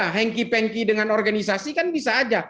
ya hengki pengki dengan organisasi kan bisa saja